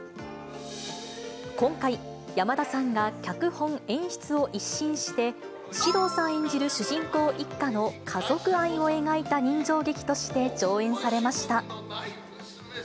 今回、山田さんが脚本・演出を一新して、獅童さん演じる主人公一家の家族愛を描いた人情劇として上演されました。